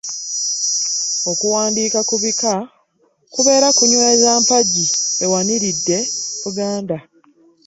Okuwandiika ku bika kubeera kunyweza mpagi ewaniridde Buganda